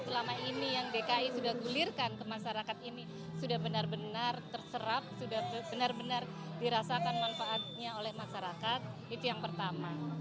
selama ini yang dki sudah gulirkan ke masyarakat ini sudah benar benar terserap sudah benar benar dirasakan manfaatnya oleh masyarakat itu yang pertama